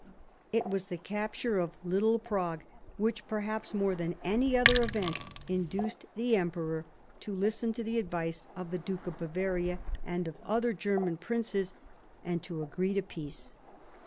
It was the capture of Little Prague which perhaps more than any other event induced the Emperor to listen to the advice of the Duke of Bavaria and of other German princes, and to agree to peace.